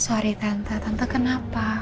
maaf tante tante kenapa